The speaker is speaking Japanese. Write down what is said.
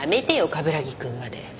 冠城くんまで。